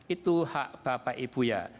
itu hak bapak ibu ya